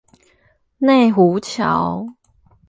內湖橋